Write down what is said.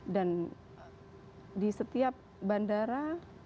dan di setiap bandara